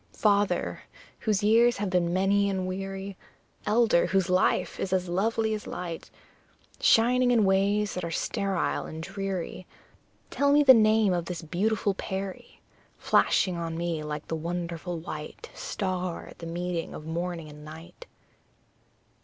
Father, whose years have been many and weary Elder, whose life is as lovely as light Shining in ways that are sterile and dreary Tell me the name of this beautiful peri, Flashing on me like the wonderful white Star, at the meeting of morning and night.